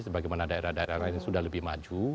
sebagaimana daerah daerah lain sudah lebih maju